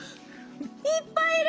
いっぱいいる！